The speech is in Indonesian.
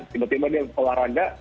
tiba tiba dia olahraga